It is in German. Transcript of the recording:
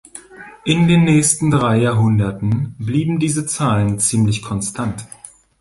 In den nächsten drei Jahrhunderten blieben diese Zahlen ziemlich konstant.